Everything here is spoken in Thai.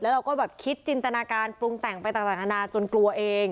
เราก็แบบคิดจินตนาการปรุงแต่งไปต่างนานาจนกลัวเอง